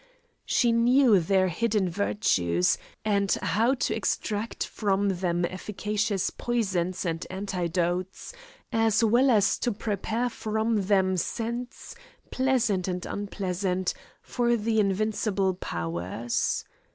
She knew their hidden virtues, and how to extract from them efficacious poisons and antidotes, as well as to prepare from them scents, pleasant and unpleasant, for the invincible powers.